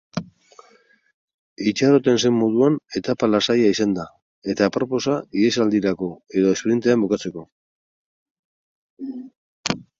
Itxaroten zen moduan etapa lasaia izan da eta aproposa ihesaldirako edo esprintean bukatzeko.